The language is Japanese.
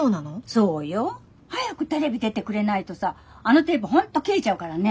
そうよ。早くテレビ出てくれないとさあのテープ本当切れちゃうからね。